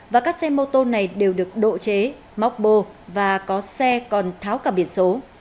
và các xe mô tô này đều được độ chế móc bồ và có xe còn tháo cả biển số